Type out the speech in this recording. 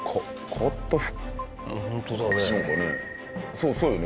そうそうよね。